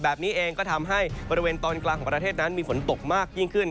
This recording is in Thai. แบบนี้เองก็ทำให้บริเวณตอนกลางของประเทศนั้นมีฝนตกมากยิ่งขึ้น